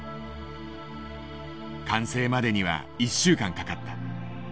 完成までには１週間かかった。